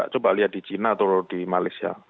coba lihat di china atau di malaysia